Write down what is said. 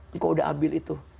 engkau udah ambil itu